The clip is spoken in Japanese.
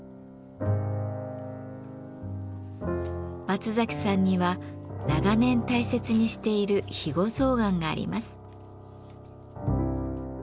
松さんには長年大切にしている肥後象がんがあります。